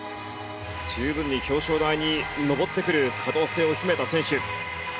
十分に表彰台に上ってくる可能性を秘めた選手。